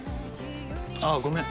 ああごめん。